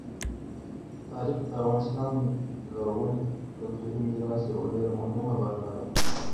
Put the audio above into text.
تاریخ د افغانستان د لرغوني کلتوري میراث یوه ډېره مهمه برخه ده.